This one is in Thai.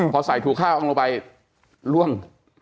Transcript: พอใส่ถูกข้างออกลงไปล่วง